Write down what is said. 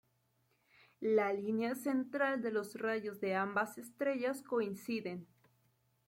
La línea central de los rayos de ambas estrellas coinciden.